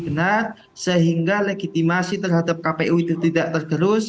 benar sehingga legitimasi terhadap kpu itu tidak tergerus